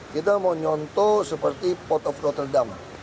kita mau nyonto seperti port of rotterdam